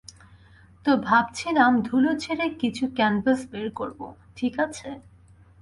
তো, ভাবছিলাম ধুলো ঝেড়ে কিছু ক্যানভাস বের করবো, ঠিক আছে?